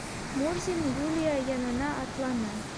Мурзин Юлия янына атланы: